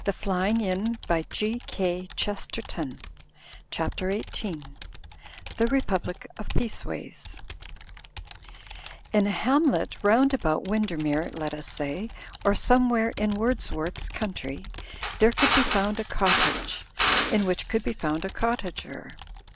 Digitized by CjOOQ IC CHAPTER XVIII THE REPUBLIC OF PEACEWAYS In a hamlet round about Windermere, let us say, or somewhere in Wordsworth's country, there could be found a cottage, in which could be found a cottager.